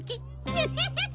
ヌフフフ。